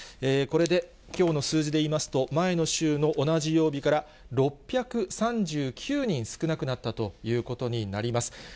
これで、きょうの数字でいいますと、前の週の同じ曜日から、６３９人少なくなったということになります。